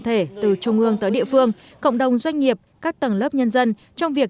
thể từ trung ương tới địa phương cộng đồng doanh nghiệp các tầng lớp nhân dân trong việc